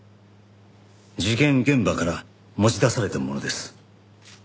事件現場から持ち出されたものです。